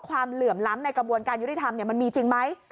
เหลื่อมล้ำในกระบวนการยุติธรรมมันมีจริงไหม